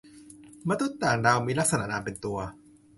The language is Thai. มนุษย์ต่างดาวมีลักษณะนามเป็นตัว